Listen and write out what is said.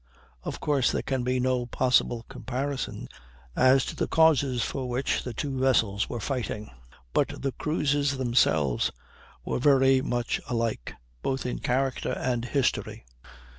Of course there can be no possible comparison as to the causes for which the two vessels were fighting; but the cruises themselves were very much alike, both in character and history.